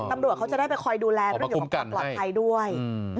ตำรวจเขาจะได้ไปคอยดูแลแล้วอยู่กับปลอดภัยด้วย